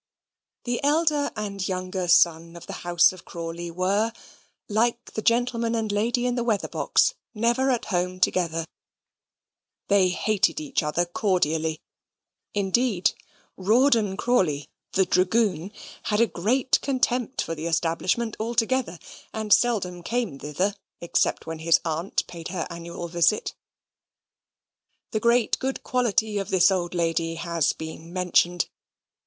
The elder and younger son of the house of Crawley were, like the gentleman and lady in the weather box, never at home together they hated each other cordially: indeed, Rawdon Crawley, the dragoon, had a great contempt for the establishment altogether, and seldom came thither except when his aunt paid her annual visit. The great good quality of this old lady has been mentioned.